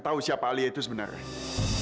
tahu siapa alia itu sebenarnya